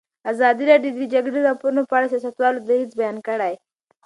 ازادي راډیو د د جګړې راپورونه په اړه د سیاستوالو دریځ بیان کړی.